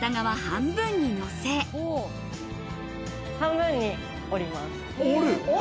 半分に折ります。